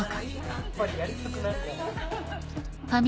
やっぱりやりたくなるじゃない。